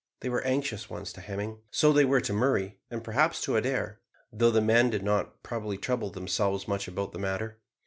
They were anxious ones to Hemming so they were to Murray, and perhaps to Adair, though the men did not probably trouble themselves much about the matter.